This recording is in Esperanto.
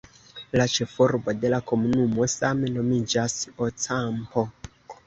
La ĉefurbo de la komunumo same nomiĝas "Ocampo".